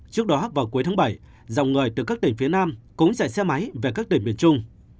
trước đó vào cuối tháng bảy dòng người từ các tỉnh phía nam cũng chạy xe máy về các tỉnh miền trung